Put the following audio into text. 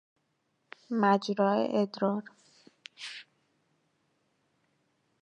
مجرا ادرار